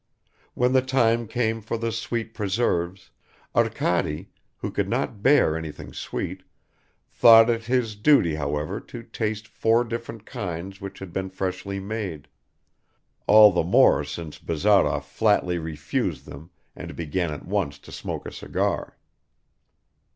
When the time came for the sweet preserves, Arkady, who could not bear anything sweet, thought it his duty, however, to taste four different kinds which had been freshly made all the more since Bazarov flatly refused them and began at once to smoke a cigar.